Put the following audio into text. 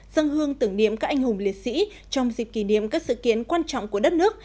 dân hương tưởng niệm các anh hùng liệt sĩ trong dịp kỷ niệm các sự kiện quan trọng của đất nước